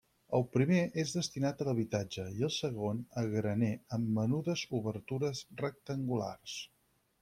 El primer és destinat a habitatge i el segon a graner amb menudes obertures rectangulars.